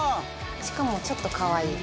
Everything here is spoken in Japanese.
しかもちょっと可愛い。